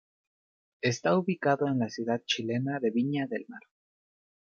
Está ubicado en la ciudad chilena de Viña del Mar.